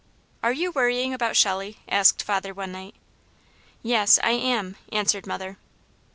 "Are you worrying about Shelley?" asked father one night. "Yes, I am," answered mother.